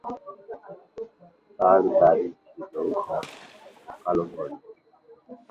তার দাড়ি ছিল ঘন ও কালো বর্ণের।